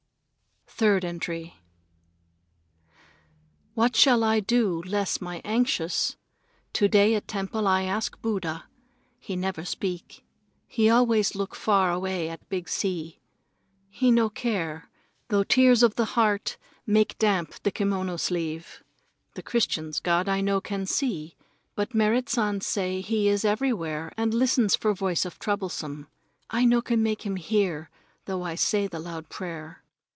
Third Entry What shall I do to less my anxious? To day at temple I ask Buddha. He never speak. He always look far away at big sea. He no care, though tears of the heart make damp the kimono sleeve. The Christians' God I no can see. But Merrit San say he is everywhere and listens for voice of troublesome. I no can make him hear, though I say the loud prayer.